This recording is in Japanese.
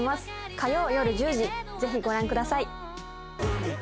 火曜夜１０時ぜひご覧ください